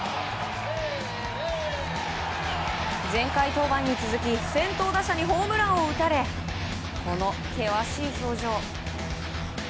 前回登板に続き先頭打者にホームランを打たれこの険しい表情。